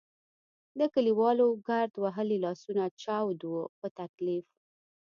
د کلیوالو ګرد وهلي لاسونه چاود وو په تکلیف.